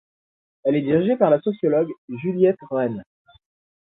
Elle est dirigée par la sociologue Juliette Rennes.